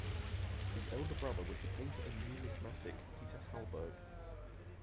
His elder brother was the painter and numismatic Peter Hauberg.